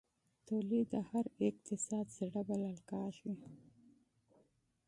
تولید د هر اقتصاد زړه بلل کېږي.